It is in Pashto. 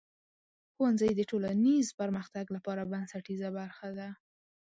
ښوونځی د ټولنیز پرمختګ لپاره بنسټیزه برخه ده.